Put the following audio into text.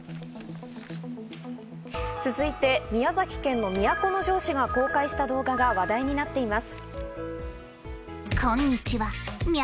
続いて宮崎県の都城市が公開した動画が話題になっています。